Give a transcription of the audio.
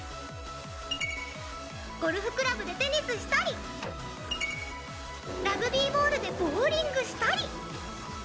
ゴルフクラブでテニスしたりラグビーボールでボウリングしたり。